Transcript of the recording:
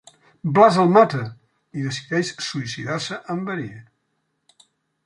Blas el mata i decideix suïcidar-se amb verí.